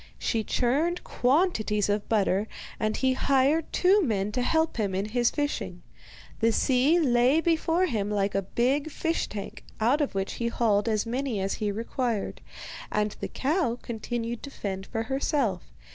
She churned quantities of butter, and he hired two men to help him in his fishing. The sea lay before him like a big fish tank, out of which he hauled as many as he required; and the cow continued to fend for herself.